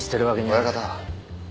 親方。